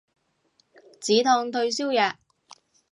止痛退燒藥